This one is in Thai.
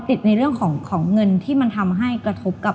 ติดในเรื่องของเงินที่มันทำให้กระทบกับ